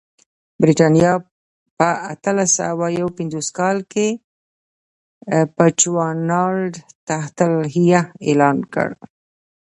برېټانیا په اتلس سوه یو پنځوس کال کې بچوانالنډ تحت الحیه اعلان کړ.